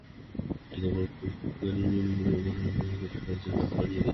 কয়েকটি কাপড় প্রস্তুতকারী মিল কাপড় সরবরাহ করে সাহায্যের হাত বাড়িয়ে দেয়।